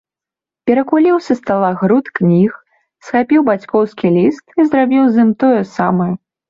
Перакуліў са стала груд кніг, схапіў бацькоўскі ліст і зрабіў з ім тое самае.